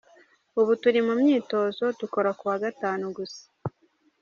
Ubu turi mu myitozo dukora ku wa Gatanu gusa.